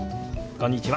こんにちは。